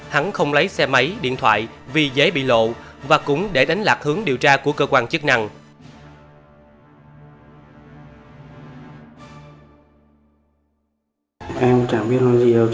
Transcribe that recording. hắn không lấy xe máy điện thoại vì dễ bị lộ và cũng để đánh lạc hướng điều tra của cơ quan chức năng